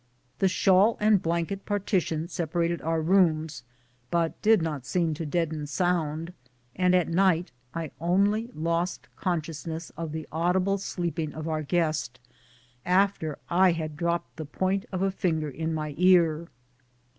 The shawl and blanket partition separated our rooms, but did not seem to deaden sound, and at night I only lost consciousness of the audible sleeping of our guest after I had dropped tlie point of a finger in my ear.